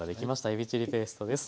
えびチリペーストです。